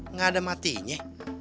nggak ada matinya